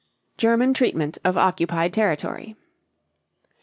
GERMAN TREATMENT OF OCCUPIED TERRITORY.